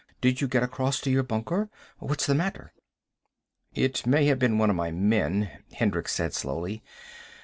"Did you get across to your bunker? What's the matter?" "It may have been one of my men," Hendricks said slowly.